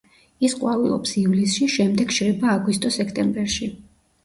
ის ყვავილობს ივლისში, შემდეგ შრება აგვისტო-სექტემბერში.